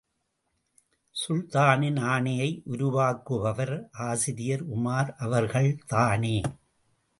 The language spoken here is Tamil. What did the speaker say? சுல்தானின் ஆணையை உருவாக்குபவர் ஆசிரியர் உமார் அவர்கள்தானே!